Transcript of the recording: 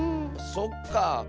そっかあ。